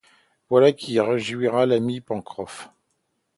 Voilà qui réjouira l'ami Pencroff.